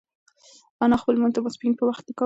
انا خپل لمونځ د ماسپښین په وخت کاوه.